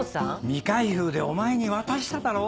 未開封でお前に渡しただろう？